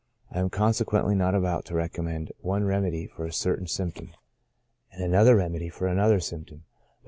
I am consequently not about to recommend one remedy for a certain symptom, and another remedy for another symp 8o CHRONIC ALCOHOLISM.